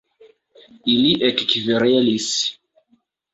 Ili ekkverelis.